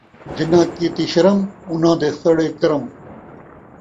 جنہاں کیتی شرم، اُنہاں دے سڑے کرم